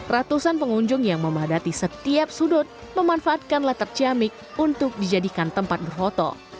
ratusan pengunjung yang memadati setiap sudut memanfaatkan latar ciamik untuk dijadikan tempat berfoto